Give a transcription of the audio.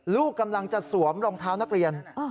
ลูกกำลังจะสวมรองเท้านักเรียน